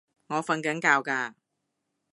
我訓緊覺㗎